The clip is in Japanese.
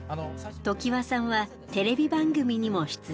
常盤さんはテレビ番組にも出演。